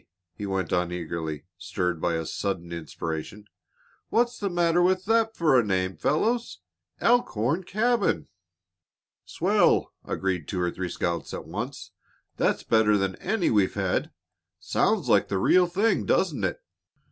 he went on eagerly, stirred by sudden inspiration, "what's the matter with that for a name, fellows Elkhorn Cabin?" "Swell!" agreed two or three scouts at once. "That's better than any we've had. Sounds like the real thing, doesn't it?"